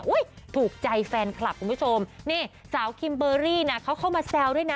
ถูกใจแฟนคลับคุณผู้ชมนี่สาวคิมเบอร์รี่นะเขาเข้ามาแซวด้วยนะ